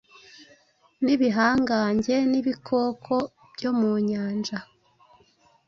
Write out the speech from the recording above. nibihangangen ibikoko byo mu nyanja